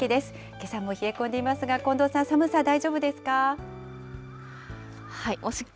けさも冷え込んでいますが、近藤さん、寒さ、大丈夫ですか。